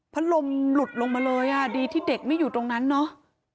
ลมหลุดลงมาเลยอ่ะดีที่เด็กไม่อยู่ตรงนั้นเนาะ